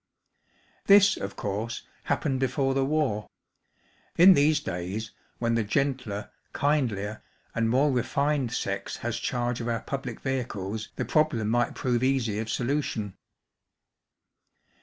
This, of course, happened before the war. * In these days, when the gentler, kindlier, and more, refined sex has charge of our public vehicles the problem might prove easy of solution.